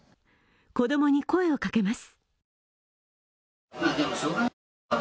子供に声をかけます。